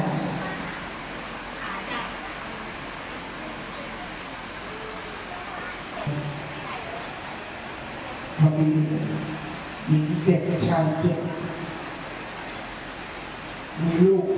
อัศวินธรรมชาวเจ็ดมีโรค๑๔คน